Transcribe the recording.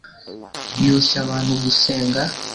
yoshya abantu gusenga.